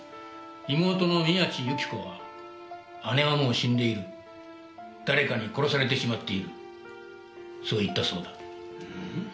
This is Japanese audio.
妹の宮地由起子は姉はもう死んでいる誰かに殺されてしまっているそう言ったそうだ。